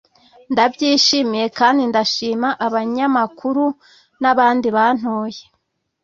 “Ndabyishimiye kandi ndashima Abanyamakuru n’abandi bantoye